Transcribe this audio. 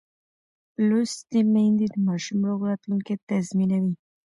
لوستې میندې د ماشوم روغ راتلونکی تضمینوي.